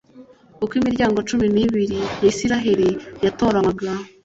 uko imiryango cumi nibiri ya isiraheli yatoranywaga